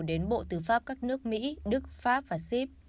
đến bộ tư pháp các nước mỹ đức pháp và sip